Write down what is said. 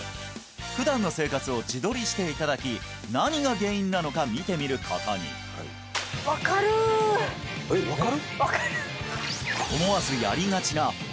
普段の生活を自撮りしていただき何が原因なのか見てみることにえっ分かる？